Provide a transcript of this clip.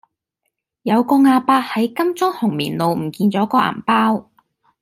有個亞伯喺金鐘紅棉路唔見左個銀包